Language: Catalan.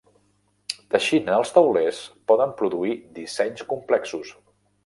Teixint els taulers poden produir dissenys complexos.